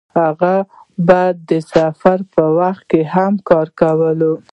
هغه به د سفر په وخت هم دا کار کاوه.